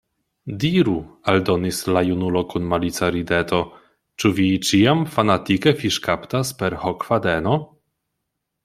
Diru, aldonis la junulo kun malica rideto, ĉu vi ĉiam fanatike fiŝkaptas per hokfadeno?